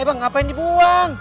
eh bang ngapain dibuang